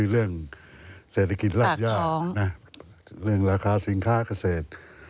เรื่องเศรษฐกิจรากย่าเรื่องราคาสินค้าเกษตร